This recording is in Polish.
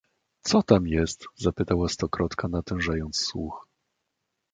"„Co tam jest?“ zapytała Stokrotka, natężając słuch."